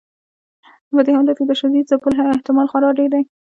په دې حالت کې د شدید ځپلو احتمال خورا ډیر دی.